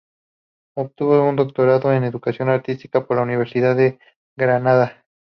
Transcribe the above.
Obtuvo un doctorado en Educación Artística por la Universidad de Granada.